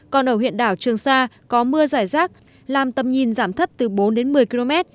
còn ở huyện đảo trường sa có mưa giải rác làm tầm nhìn giảm thấp từ bốn đến một mươi km